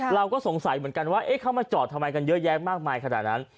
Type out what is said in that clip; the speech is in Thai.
เราก็สงสัยเหมือนกันว่าเข้ามาจอดทำไมกันเยอะแยะมากมายขนาดนั้น